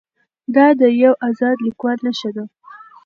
دا د یو ازاد لیکوال نښه ده.